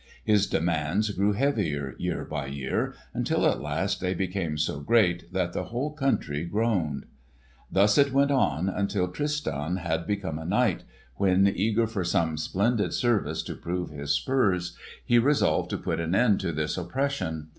His demands grew heavier, year by year, until at last they became so great that the whole country groaned. Thus it went on until Tristan had become a knight, when eager for some splendid service to prove his spurs, he resolved to put an end to this oppression.